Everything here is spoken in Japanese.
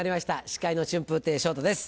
司会の春風亭昇太です。